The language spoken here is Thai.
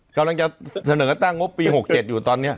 กำลังจะเสนอตั้งงบปีหกเจ็ดอยู่ตอนเนี้ย